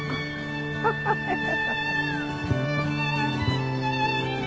ハハハハ。